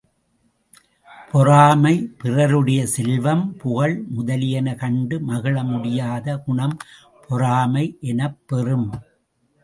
பொறாமை பிறருடைய செல்வம், புகழ் முதலியன கண்டு மகிழ முடியாத குணம் பொறாமை எனப்பெறும்.